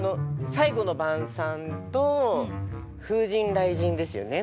「最後の晩餐」と「風神雷神」ですよね。